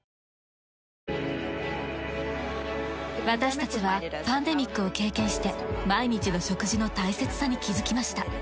私たちはパンデミックを経験して毎日の食事の大切さに気づきました。